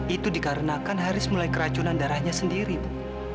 itu dikarenakan haris mulai keracunan darahnya sendiri ibu